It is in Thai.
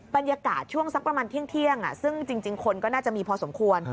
บรรยากาศช่วงสักประมาณเที่ยงซึ่งจริงคนก็น่าจะมีพอสมควร